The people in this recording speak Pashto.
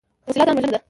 وسله ځان وژنه ده